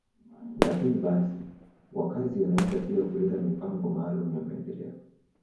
Lakini basi, wakazi wanaweza pia kuleta mipango maalum ya maendeleo.